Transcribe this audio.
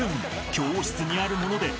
［教室にある物で］